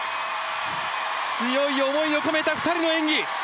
強い思いを込めた２人の演技。